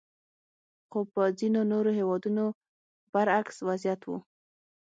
خو په ځینو نورو هېوادونو برعکس وضعیت وو.